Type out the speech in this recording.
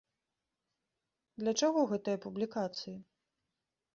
Для чаго гэтыя публікацыі?